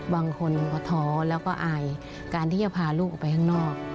บางคนก็ท้อแล้วก็อายการที่จะพาลูกออกไปข้างนอก